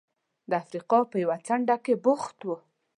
د افریقا په یوه څنډه کې بوخت و.